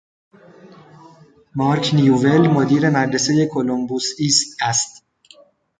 مارک نیوول، مدیر مدرسۀ کلمبوس ایست است.